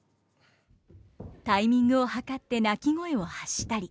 タイミングを計って鳴き声を発したり。